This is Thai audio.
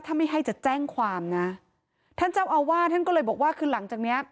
ถ้าไม่ให้จะแจ้งความนะท่านเจ้าอาวาสท่านก็เลยบอกว่าคือหลังจากเนี้ย